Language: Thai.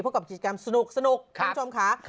เพราะกับกิจกรรมสนุกคุณชมขา